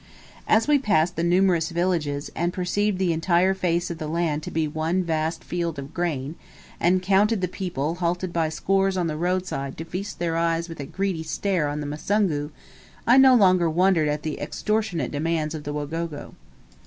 As we passed the numerous villages, and perceived the entire face of the land to be one vast field of grain, and counted the people halted by scores on the roadside to feast their eyes with a greedy stare on the Musungu, I no longer wondered at the extortionate demands of the Wagogo.